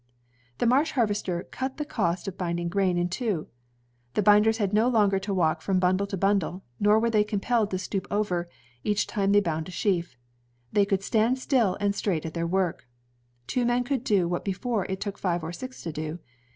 The Marsh harvester cut the cost of binding grain in two. The binders had no longer to walk from bundle to bimdle, nor were they compelled to stoop over, each time they boimd a sheaf. They could stand still and straight at their work. Two men could do what before it took five or six to do.